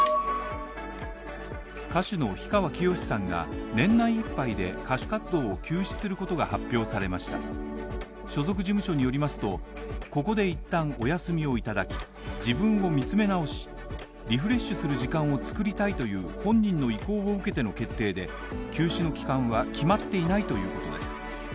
歌手の氷川きよしさんが年内いっぱいで歌手活動を休止することが発表されました所属事務所によりますと、ここで一旦お休みをいただき、自分を見つめ直し、リフレッシュする時間を作りたいという本人の意向を受けての決定で休止の期間は決まっていないということです。